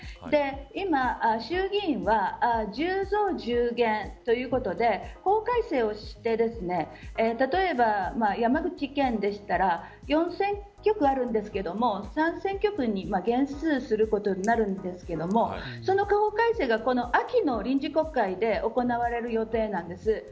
今、衆議院は１０増１０減ということで法改正をして例えば山口県でしたら４選挙区あるんですけど３選挙区に減数することになるんですがその法改正が、この秋の臨時国会で行われる予定なんです。